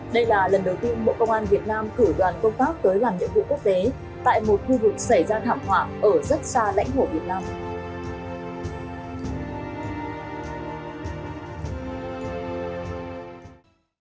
đây là lần đầu tiên bộ công an việt nam cử đoàn công tác tới làm nhiệm vụ quốc tế tại một khu vực xảy ra thảm họa ở rất xa lãnh thổ việt nam